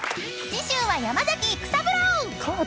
［次週は山崎育三郎！］